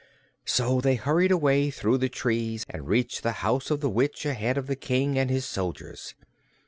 So they hurried away through the trees and reached the house of the witch ahead of the King and his soldiers.